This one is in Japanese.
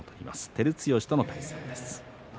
照強との対戦です。